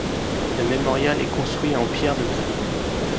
Le mémorial est construit en pierres de taille.